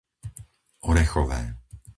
Orechové